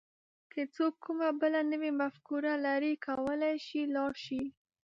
که څوک کومه بله نوې مفکوره لري کولای شي لاړ شي.